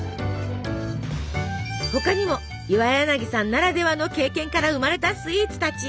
他にも岩柳さんならではの経験から生まれたスイーツたち。